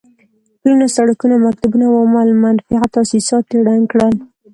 پلونه، سړکونه، مکتبونه او عام المنفعه تاسيسات يې ړنګ کړل.